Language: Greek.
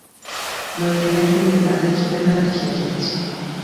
Μα η ελεύθερη Ελλάδα είχε δεμένα τα χέρια της